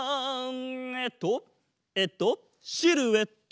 えっとえっとシルエット！